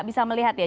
jadi bisa melihat ya